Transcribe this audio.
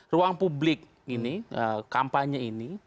ruang publik kampanye ini